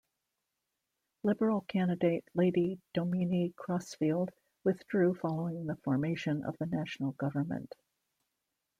Liberal candidate Lady Domini Crosfield withdrew following the formation of the National Government.